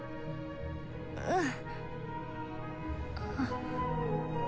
うん。